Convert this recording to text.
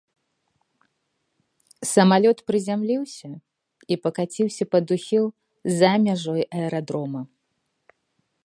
Самалёт прызямліўся і пакаціўся пад ухіл за мяжой аэрадрома.